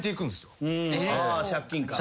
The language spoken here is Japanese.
あ借金か。